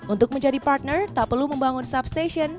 untuk menjadi partner tak perlu membangun substation